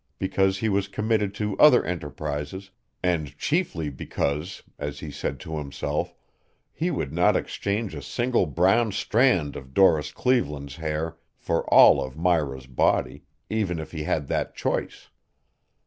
Because he was committed to other enterprises, and chiefly because, as he said to himself, he would not exchange a single brown strand of Doris Cleveland's hair for all of Myra's body, even if he had that choice.